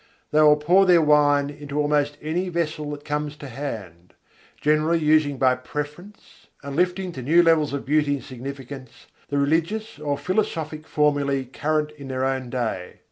They will pour their wine into almost any vessel that comes to hand: generally using by preference and lifting to new levels of beauty and significance the religious or philosophic formulæ current in their own day.